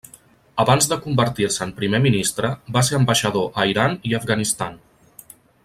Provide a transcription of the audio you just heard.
Abans de convertir-se en primer ministre, va ser ambaixador a Iran i Afganistan.